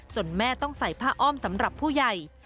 แม่ต้องใส่ผ้าอ้อมสำหรับผู้ใหญ่